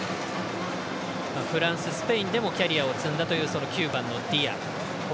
フランス、スペインでもキャリアを積んだという９番のディア。